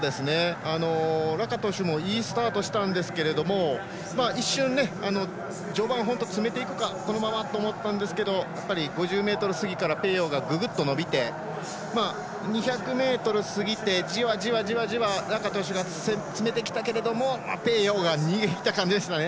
ラカトシュもいいスタートしたんですけど一瞬、序盤本当に詰めていくかこのままと思ったんですがやっぱり５０ｍ過ぎからペーヨーがぐぐっと伸びて２００ｍ過ぎてじわじわ、じわじわラカトシュが詰めてきたけれどもペーヨーが逃げきった感じでしたね。